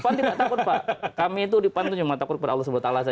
pan tidak takut pak kami itu di pan itu cuma takut pada allah swt saja